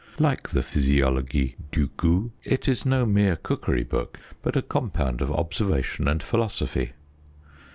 Like the Physiologie du gout, it is no mere cookery book, but a compound of observation and philosophy.